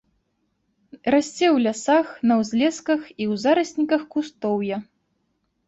Расце ў лясах, на ўзлесках і ў зарасніках кустоўя.